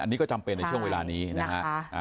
อันนี้ก็จำเป็นในช่วงเวลานี้นะฮะ